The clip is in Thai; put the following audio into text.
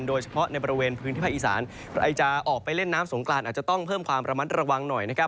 โดยเฉพาะในบริเวณพื้นที่ภาคอีสานใครจะออกไปเล่นน้ำสงกรานอาจจะต้องเพิ่มความระมัดระวังหน่อยนะครับ